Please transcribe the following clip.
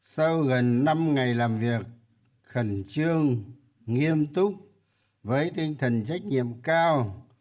sau gần năm ngày làm việc khẩn trương nghiêm túc với tinh thần trách nhiệm cao